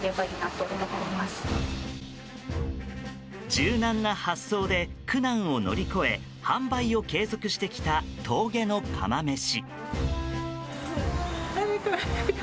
柔軟な発想で苦難を乗り越え販売を継続してきた峠の釜めし。